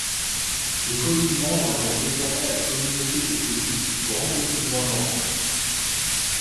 Les communes membres adhèrent désormais à la Communauté de communes du Grand Autunois Morvan.